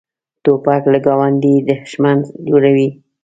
توپک له ګاونډي دښمن جوړوي.